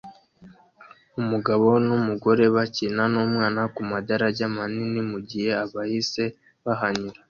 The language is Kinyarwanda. Umugabo numugore bakina numwana kumadarajya manini mugihe abahisi bahanyura